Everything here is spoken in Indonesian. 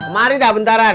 mari dah bentaran